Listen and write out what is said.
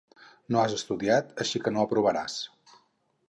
No has estudiat, així que no aprovaràs.